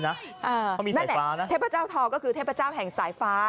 นั่นแหละเทพเจ้าทอก็คือเทพเจ้าแห่งสายฟ้า